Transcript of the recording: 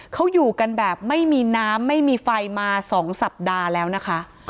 เขาอยู่กันแบบไม่มีน้ำไม่มีไฟมา๒สัปดาห์แล้วนะคะ